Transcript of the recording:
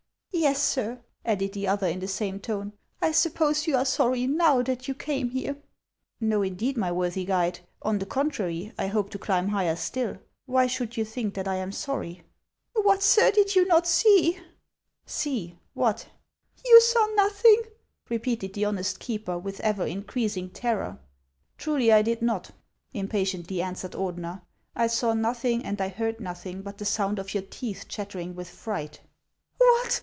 " Yes, sir," added the other, in the same tone ;" I sup pose you are sorry now that you came here ?"" Xo, indeed, my worthy guide ; on the contrary, I hope to climb higher stilL Why should you think that I am sorry ?"" What, sir, did you not see ?"" See ! What ?"" You saw nothing ?" repeated the honest keeper, with ever increasing terror. " Truly I did not," impatiently answered Ordener ;" I saw nothing, and I heard nothing but the sound of your teeth chattering with frijjht." <~j O " What